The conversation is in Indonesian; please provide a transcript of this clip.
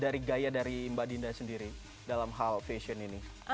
dari gaya dari mbak dinda sendiri dalam hal fashion ini